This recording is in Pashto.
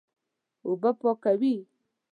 اوبه پاکوي.